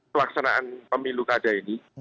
pelaksanaan pemilu kada ini